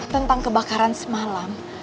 tentang kebakaran semalam